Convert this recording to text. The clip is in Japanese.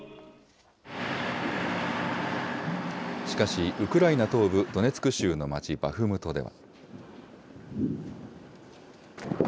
しかし、ウクライナ東部ドネツク州の町、バフムトでは。